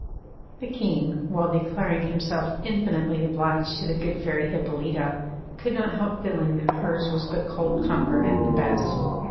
] The King, while declaring himself infinitely obliged to the good Fairy Hippolyta, could not help feeling that hers was but cold comfort at the best.